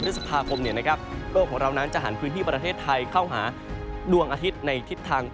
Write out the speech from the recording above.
พระศพคมนี่นะครับคนของเรานั้นจะหาที่ประเทศไทยเข้าหาดวงอาทิตย์ในทิศทาง